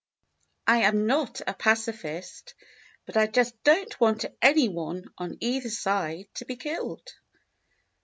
I am not a pacifist. But I just don't want any one on either side to be killed."